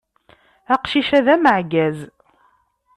Aqcic-a d ameɛgaz.